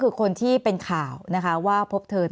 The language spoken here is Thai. แอนตาซินเยลโรคกระเพาะอาหารท้องอืดจุกเสียดแสบร้อน